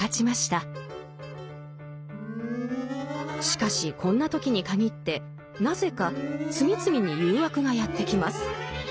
しかしこんな時に限ってなぜか次々に誘惑がやって来ます。